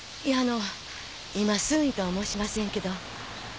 いやあの今すぐにとは申しませんけど。